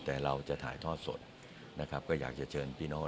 แต่เราจะถ่ายทอดสดนะครับก็อยากจะเชิญพี่น้อง